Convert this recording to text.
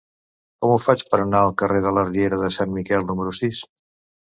Com ho faig per anar al carrer de la Riera de Sant Miquel número sis?